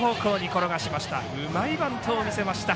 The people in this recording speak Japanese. うまいバントを見せました。